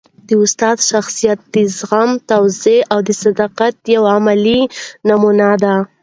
د استاد شخصیت د زغم، تواضع او صداقت یوه عملي نمونه ده.